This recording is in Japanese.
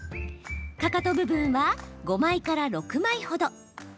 かかと部分は、５枚から６枚ほど。